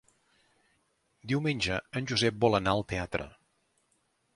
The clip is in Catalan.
Diumenge en Josep vol anar al teatre.